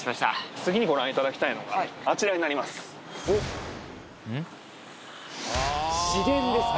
次にご覧いただきたいのが、市電ですか。